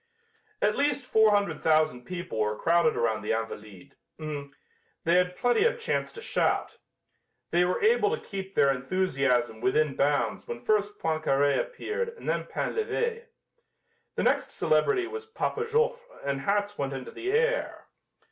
At least four hundred thousand people were crowded around the "Invalides." They had plenty of chance to shout. They were able to keep their enthusiasm within bounds when first Poincaré appeared and then Painlevé. The next celebrity was Papa Joffre and hats went into the air.